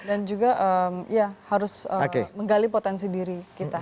dan juga ya harus menggali potensi diri kita